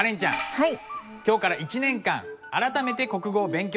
はい。